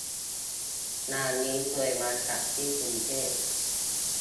งานนี้เคยมาจัดที่กรุงเทพ